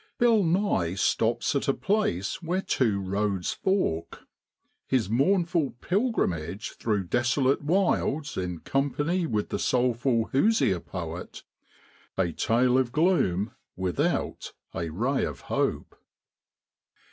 BILL NYE STOPS AT A PLACE WHERE TWO ROADS FORK. HIS MOURNFUL PILGRIMAGE THROUGH DESOLATE WILDS IN COMPANY WITH THE SOULFUL HOOSIER POET A TALE OF GLOOM WITHOUT A RAY OF HOPE.